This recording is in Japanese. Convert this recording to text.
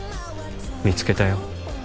見つけたよ。